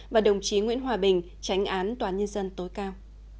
và đồng chí nguyễn hòa bình tránh án toàn nhân dân tối cao